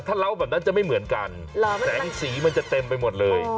ถ้าเล้าแบบนั้นจะไม่เหมือนกันแสงสีมันจะเต็มไปหมดเลย